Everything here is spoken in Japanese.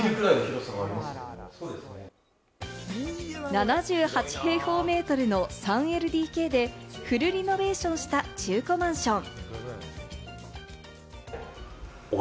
７８平方メートルの３ＬＤＫで、フルリノベーションした中古マンション。